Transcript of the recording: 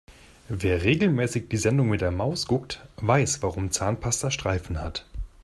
Wer regelmäßig die Sendung mit der Maus guckt, weiß warum Zahnpasta Streifen hat.